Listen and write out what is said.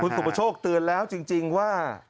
สุประโชคเตือนแล้วจริงว่า